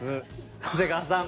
長谷川さん。